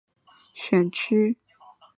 本区是自民党和保守党争持的选区。